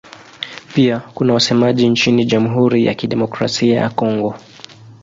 Pia kuna wasemaji nchini Jamhuri ya Kidemokrasia ya Kongo.